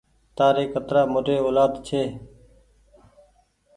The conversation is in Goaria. تآري ڪترآ موٽي اولآد ڇي۔